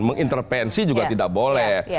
mengintervensi juga tidak boleh